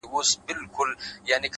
o پرېږده چي نور په سره ناسور بدل سي،